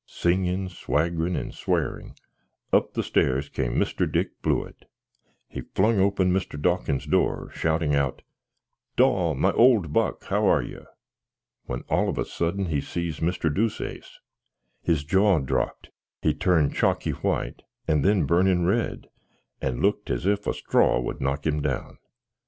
Singin, swagrin, and swarink up stares came Mr. Dick Blewitt. He flung open Mr. Dawkins's door, shouting out, "Daw, my old buck, how are you?" when, all of a sudden, he sees Mr. Deuceace: his jor dropt, he turned chocky white, and then burnin red, and iooked as if a stror would knock him down.